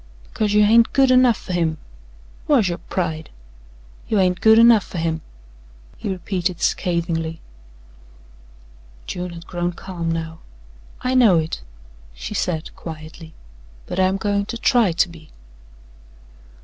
Because you hain't good enough fer him! Whar's yo' pride? You hain't good enough fer him," he repeated scathingly. June had grown calm now. "I know it," she said quietly, "but I'm goin' to try to be."